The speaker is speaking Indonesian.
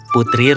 putri raja edward